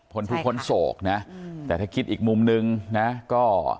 พ้นผู้คนโสกนะแต่ถ้าคิดอีกมุมหนึ่งนะก็